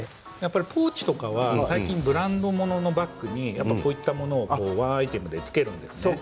ポーチとか最近ブランド物のバッグにワンアイテムでつけるんですよ。